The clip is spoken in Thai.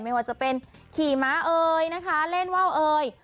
ไม่ว่าจะเป็นขี่ม้าเอ่ยเล่นเว้าเอ่ย